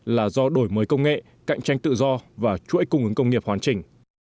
là do đổi mới công nghệ cạnh tranh tự do và chuỗi cung ứng công nghiệp hoàn chỉnh